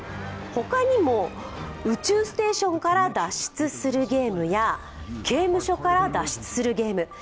他にも、宇宙ステーションから脱出するゲームや刑務所から脱出するゲーム。